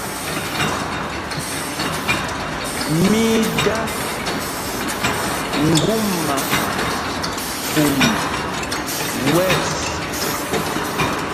Mí í dā ŋgúma pum wɛ̂ɛs.